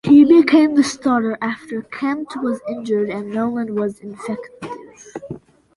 He became the starter after Kempt was injured and Noland was ineffective.